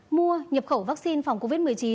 mua nhập khẩu vaccine phòng covid một mươi chín